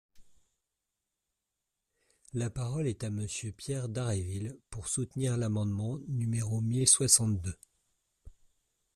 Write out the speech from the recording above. La parole est à Monsieur Pierre Dharréville, pour soutenir l’amendement numéro mille soixante-deux.